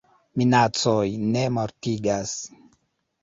Minacoj ne mortigas.